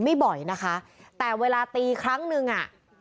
ไม่บ่อยนะคะแต่เวลาตีครั้งนึงอ่ะ